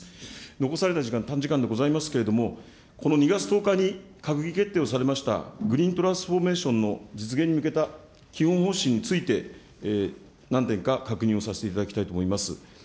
残された時間、短時間でございますけれども、この２月１０日に閣議決定をされましたグリーントランスフォーメーションの実現に向けた基本方針について、何点か確認をさせていただきたいと思います。